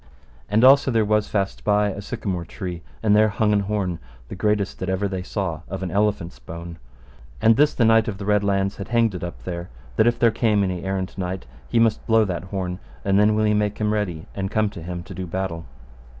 And also there was fast by a sycamore tree, and there hung an horn, the greatest that ever they saw, of an elephant's bone; and this Knight of the Red Launds had hanged it up there, that if there came any errant knight, he must blow that horn, and then will he make him ready and come to him to do battle.